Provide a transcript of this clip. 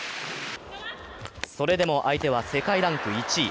それでも相手は世界ランク１位。